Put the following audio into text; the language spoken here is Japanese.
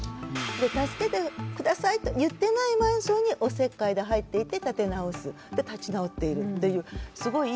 助けてくださいと言ってないマンションにおせっかいで入っていって立て直す立ち直っているというすごいいい事例だと思いますね。